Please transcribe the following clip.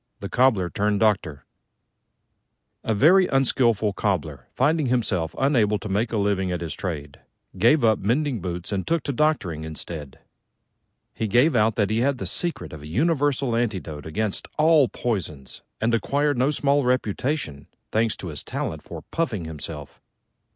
THE COBBLER TURNED DOCTOR A very unskilful Cobbler, finding himself unable to make a living at his trade, gave up mending boots and took to doctoring instead. He gave out that he had the secret of a universal antidote against all poisons, and acquired no small reputation, thanks to his talent for puffing himself.